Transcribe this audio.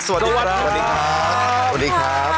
สวัสดีครับสวัสดีครับสวัสดีครับ